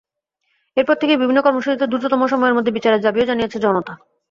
এরপর থেকেই বিভিন্ন কর্মসূচিতে দ্রুততম সময়ের মধ্যে বিচারের দাবিও জানিয়েছে জনতা।